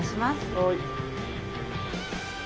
はい。